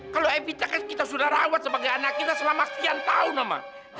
kalau epica kan kita sudah rawat sebagai anak kita selama sekian tahun lama